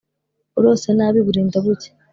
Urose nabi burinda bucya.